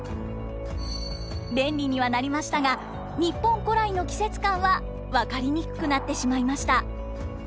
便利にはなりましたが日本古来の季節感は分かりにくくなってしまいました。